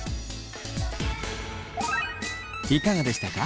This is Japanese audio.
いかがでしたか？